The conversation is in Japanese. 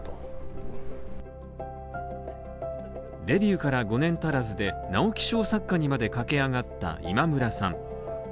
デビューから５年足らずで、直木賞作家にまで駆け上がった今村さん